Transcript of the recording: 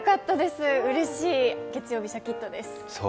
うれしい、月曜日シャキッとです。